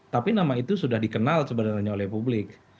tapi nama itu sudah dikenal sebenarnya oleh publik